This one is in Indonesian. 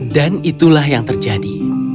dan itulah yang terjadi